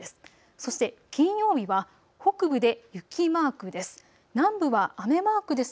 そして金曜日は北部で雪マークです。